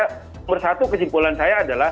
nomor satu kesimpulan saya adalah